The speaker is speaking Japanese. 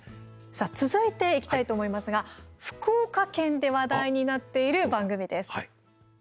さあ、続いていきたいと思いますが、福岡県で話題になっている番組です。